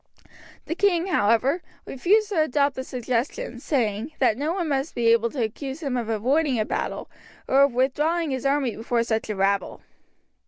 The king, however, refused to adopt the suggestion, saying, that no one must be able to accuse him of avoiding a battle or of withdrawing his army before such a rabble.